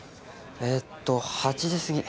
えっと８時過ぎ。